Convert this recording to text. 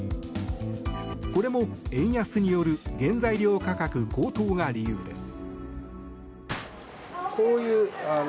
これも円安による原材料価格高騰が理由です。